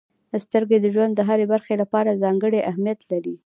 •سترګې د ژوند د هرې برخې لپاره ځانګړې اهمیت لري.